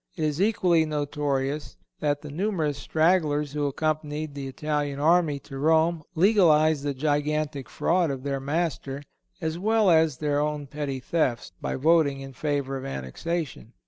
It is equally notorious that the numerous stragglers who accompanied the Italian army to Rome legalized the gigantic fraud of their master, as well as their own petty thefts, by voting in favor of annexation.